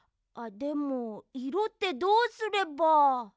あっでもいろってどうすれば。